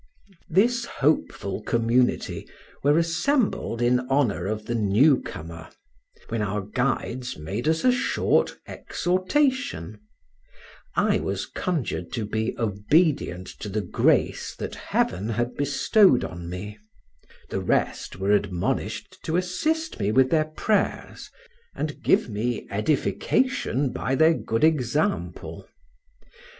This hopeful community were assembled in honor of the new comer; when our guides made us a short exhortation: I was conjured to be obedient to the grace that Heaven had bestowed on me; the rest were admonished to assist me with their prayers, and give me edification by their good example.